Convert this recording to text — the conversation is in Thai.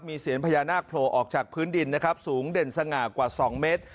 มีเสียรพญานาคโพลออกจากพื้นดินสูงเด่นสง่ากว่าสองเมตร